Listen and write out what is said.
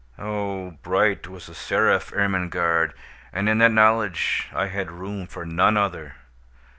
—Oh, bright was the seraph Ermengarde! and in that knowledge I had room for none other.